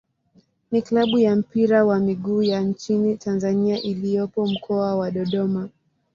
ni klabu ya mpira wa miguu ya nchini Tanzania iliyopo Mkoa wa Dodoma.